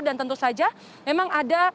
dan tentu saja memang ada